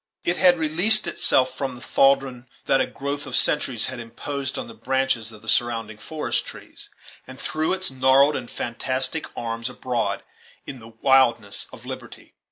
It had released itself from the thraldom that a growth of centuries had imposed on the branches of the surrounding forest trees, and threw its gnarled and fantastic arms abroad, in the wildness of liberty.